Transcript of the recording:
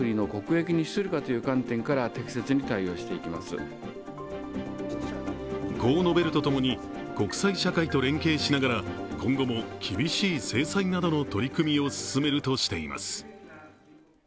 そのうえでこう述べるとともに、国際社会と連携しながら、今後も厳しい制裁などの取り組みを進めるとしています。